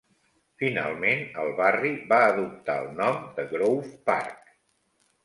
Finalment, el barri va adoptar el nom de Grove Park.